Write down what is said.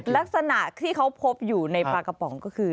ลักษณะที่เขาพบอยู่ในปลากระป๋องก็คือ